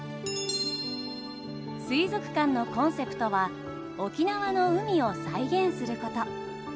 水族館のコンセプトは沖縄の海を再現すること。